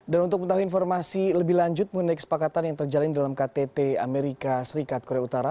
dan untuk mengetahui informasi lebih lanjut mengenai kesepakatan yang terjalin dalam ktt amerika serikat korea utara